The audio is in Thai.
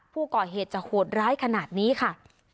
ผู้ก่อเหตุจะโหดร้ายขนาดนี้ค่ะ